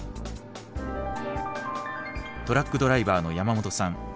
トラックドライバーの山本さん。